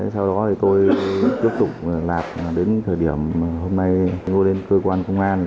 sau đó thì tôi tiếp tục lạc đến thời điểm hôm nay ngồi lên cơ quan công an